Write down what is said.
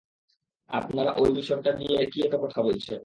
আপনারা অই মিশনটা নিয়ে কী এত কথা বলছেন?